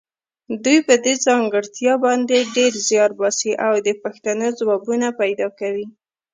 دوی په دې ځانګړتیا باندې ډېر زیار باسي او د پوښتنو ځوابونه پیدا کوي.